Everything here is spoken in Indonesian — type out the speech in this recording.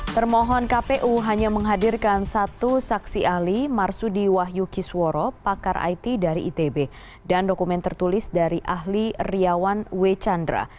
termohon kpu hanya menghadirkan satu saksi ahli marsudi wahyu kisworo pakar it dari itb dan dokumen tertulis dari ahli riawan w chandra